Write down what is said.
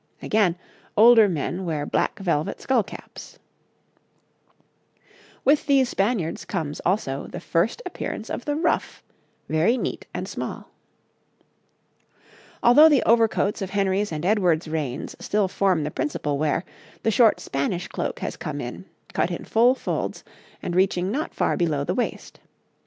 Again, older men wear black velvet skull caps. [Illustration: {A man of the time of Mary}] With these Spaniards comes, also, the first appearance of the ruff, very neat and small. Although the overcoats of Henry's and Edward's reigns still form the principal wear, the short Spanish cloak has come in, cut in full folds, and reaching not far below the waist.